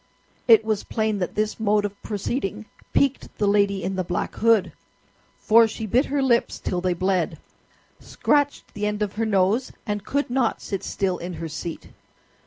It was plain that this mode of proceeding piqued the lady in the black hood, for she bit her lips till they bled, scratched the end of her nose, and could not sit still in her seat.